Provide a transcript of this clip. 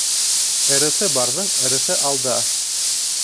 Ырыҫы барҙың ырыҫы алда.